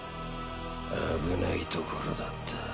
危ないところだった。